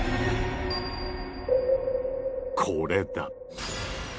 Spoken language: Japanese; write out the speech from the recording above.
これだ。